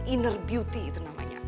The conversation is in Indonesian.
inner beauty itu namanya